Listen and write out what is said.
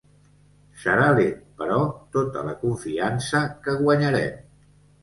Serà lent però tota la confiança que guanyarem.